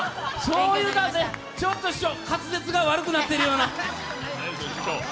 ちょっと師匠、滑舌が悪くなってるような。